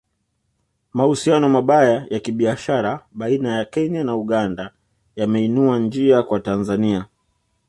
Mahusiano mabaya ya kibiashara baina ya Kenya na Uganda yameinua njia kwa Tanzania